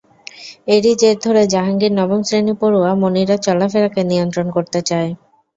এরই জের ধরে জাহাঙ্গীর নবম শ্রেণি পড়ুয়া মনিরার চলাফেরাকে নিয়ন্ত্রণ করতে চায়।